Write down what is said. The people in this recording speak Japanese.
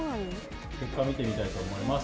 結果見てみたいと思います。